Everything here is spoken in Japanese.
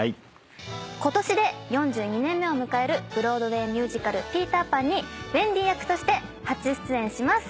ことしで４２年目を迎える『ブロードウェイミュージカルピーター・パン』にウェンディ役として初出演します。